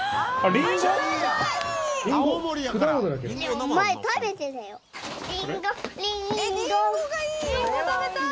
りんご食べたい！